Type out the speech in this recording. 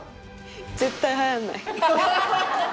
絶対はやんない。